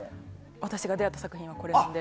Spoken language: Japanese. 私が出会った作品はこれなので。